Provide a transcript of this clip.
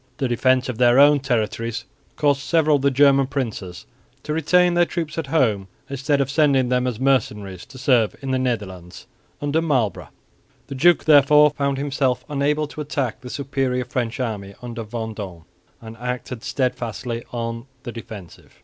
The defence of their own territories caused several of the German princes to retain their troops at home instead of sending them as mercenaries to serve in the Netherlands under Marlborough. The duke therefore found himself unable to attack the superior French army under Vendôme, and acted steadfastly on the defensive.